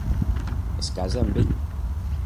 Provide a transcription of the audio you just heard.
Es casa amb ell.